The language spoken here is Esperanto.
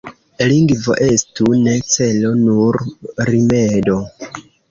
Lingvo estu ne celo, nur rimedo.